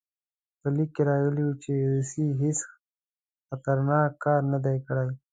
په لیک کې راغلي وو چې روسیې هېڅ خطرناک کار نه دی کړی.